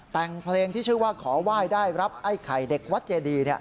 แต่งเพลงที่ชื่อว่าขอไหว้ได้รับไอ้ไข่เด็กวัดเจดี